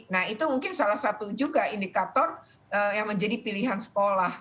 nah itu mungkin salah satu juga indikator yang menjadi pilihan sekolah